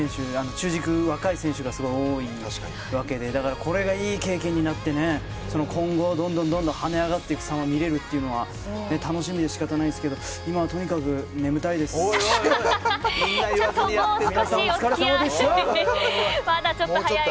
中軸、若い選手がすごい多いわけでこれがいい経験になって今後どんどんはね上がっていくさまを見れるというのは楽しみで仕方ないですけどおいおいおい。